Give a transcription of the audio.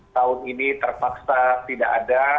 tahun ini terpaksa tidak ada